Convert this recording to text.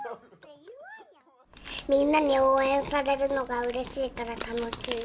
みんなに応援されるのがうれしいから楽しい。